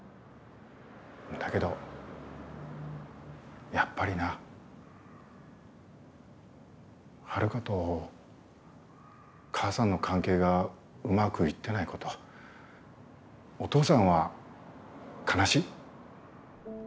んだげどやっぱりなハルカと母さんの関係がうまくいってないことお父さんは悲しい。